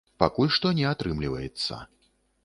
Пакуль што не атрымліваецца.